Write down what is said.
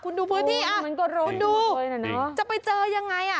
คุณดูพื้นที่อ่ะคุณดูจะไปเจอยังไงอ่ะ